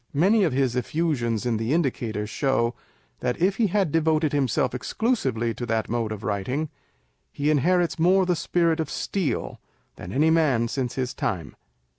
Many of his effusions in the Indicator show, that if he had devoted himself exclusively to that mode of writing, he inherits more of the spirit of Steele than any man since his time.